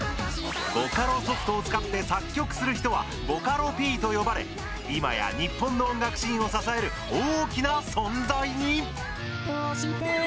ボカロソフトを使って作曲する人は「ボカロＰ」と呼ばれいまや日本の音楽シーンを支える大きな存在に。